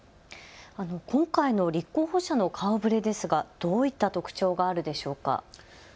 今回の立候補者の顔ぶれですがどういった特徴があるでしょうか。